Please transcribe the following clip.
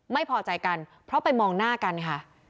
ไม่พอใจกันเพราะไปมองหน้ากันค่ะ